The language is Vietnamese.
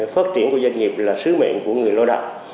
phát triển của doanh nghiệp là sứ mệnh của người lao động